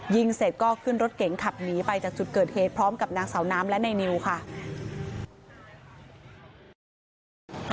ยิงเสร็จก็ขึ้นรถเก๋งขับหนีไปจากจุดเกิดเหตุพร้อมกับนางสาวน้ำและในนิวค่ะ